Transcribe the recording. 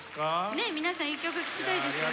ねえ皆さん１曲聴きたいですよね。